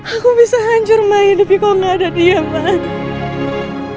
aku bisa hancur mayatnya kalau gak ada dia mak